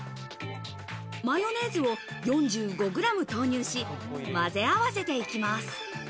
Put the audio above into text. マヨネーズを４５ｇ投入し、混ぜ合わせていきます。